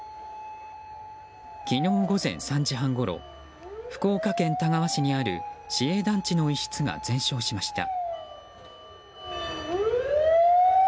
昨日午前３時半ごろ福岡県田川市にある市営団地の一室が全焼しました。